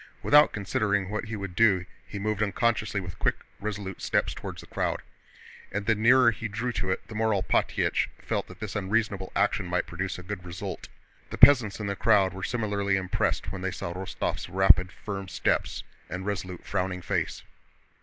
Without considering what he would do he moved unconciously with quick, resolute steps toward the crowd. And the nearer he drew to it the more Alpátych felt that this unreasonable action might produce good results. The peasants in the crowd were similarly impressed when they saw Rostóv's rapid, firm steps and resolute, frowning face.